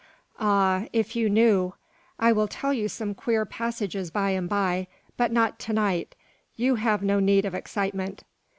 "Ah! if you knew. I will tell you some queer passages by and by, but not to night. You have no need of excitement.